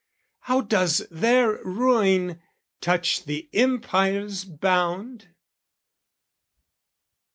How does their ruin touch the empire's bound?